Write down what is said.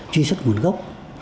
truy xuất nguồn gốc